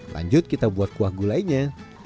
lanjut kita buat kuah gulainya